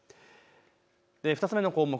２つ目の項目。